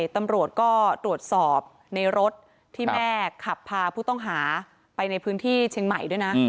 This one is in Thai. ตำรวจก็ตรวจสอบในรถที่แม่ขับพาผู้ต้องหาไปในพื้นที่เชียงใหม่ด้วยนะ